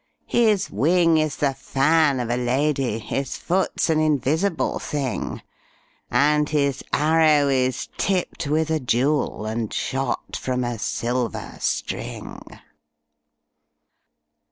His wing is the fan of a lady, His foot's an invisible thing, And his arrow is tipped with a jewel, And shot from a silver string.